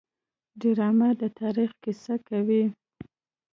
ډرامه د تاریخ کیسه کوي